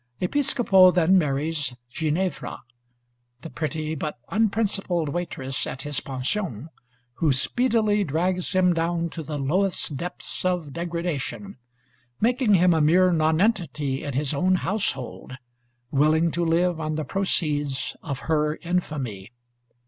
Episcopo then marries Ginevra, the pretty but unprincipled waitress at his pension, who speedily drags him down to the lowest depths of degradation, making him a mere nonentity in his own household, willing to live on the proceeds of her infamy.